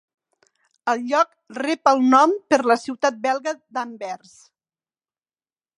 El lloc rep el nom per la ciutat belga d'Anvers.